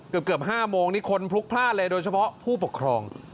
เกือบ๕โมงนี่คนพลุกพลาดเลยโดยเฉพาะผู้ปกครอง